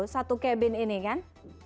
satu cabin ini kan